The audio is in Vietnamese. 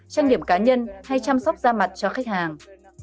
trang điểm cá nhân hay chăm sóc da mặt cho khách hàng